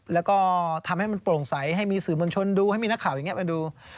แล้วก็ทำให้มันโปร่งใสให้มีสื่อมวลชนดูให้มีนักข่าวอย่างนี้ไปดู